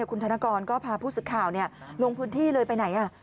คุณธนกรก็พาผู้สื่อข่าวลงพื้นที่เลยไปไหน